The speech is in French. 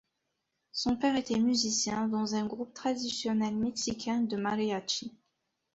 Son père était musicien dans un groupe traditionnel mexicain de mariachi.